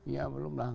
ya belum lah